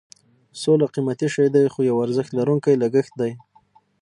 سوله قیمتي شی دی خو یو ارزښت لرونکی لګښت دی.